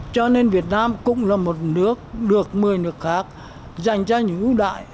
cho nên việt nam cũng là một nước được một mươi nước khác dành cho những ưu đại